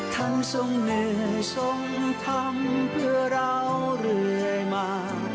ทรงเหนื่อยทรงทำเพื่อเราเรื่อยมา